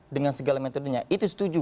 dengan segala metodenya itu setuju